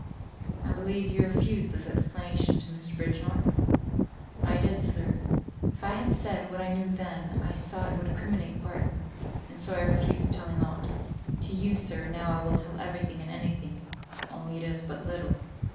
I believe you refused this explanation to Mr. Bridgenorth." "I did, sir! If I had said what I knew then, I saw it would criminate Barton, and so I refused telling aught. To you, sir, now I will tell every thing and any thing; only it is but little.